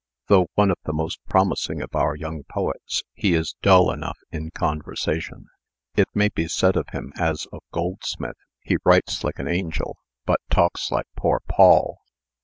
"Though one of the most promising of our young poets, he is dull enough in conversation. It may be said of him, as of Goldsmith, 'He writes like an angel, but talks like poor Poll.'